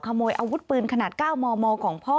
อาวุธปืนขนาด๙มมของพ่อ